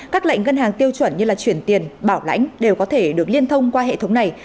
các lệnh ngân hàng tiêu chuẩn như chuyển tiền bảo lãnh đều có thể được liên thông qua hệ thống này